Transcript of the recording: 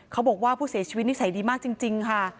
เขาบอกว่าผู้เสียชีวิตนิสัยดีมากจริงค่ะ